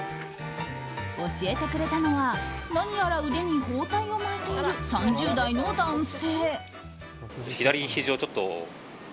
教えてくれたのは何やら腕に包帯を巻いている３０代の男性。